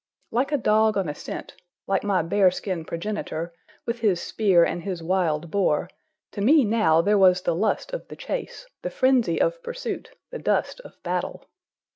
Like a dog on a scent, like my bearskin progenitor, with his spear and his wild boar, to me now there was the lust of the chase, the frenzy of pursuit, the dust of battle.